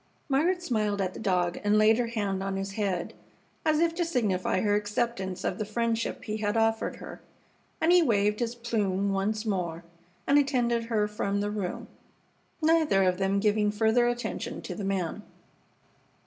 Margaret smiled at the dog and laid her hand on his head, as if to signify her acceptance of the friendship he had offered her, and he waved his plume once more and attended her from the room, neither of them giving further attention to the man.